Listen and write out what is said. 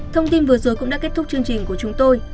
thông tin vừa rồi cũng đã kết thúc chương trình của chúng tôi